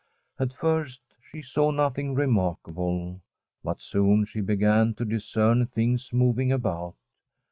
At first she saw nothing remarkable, but soon she began to discern things moving about.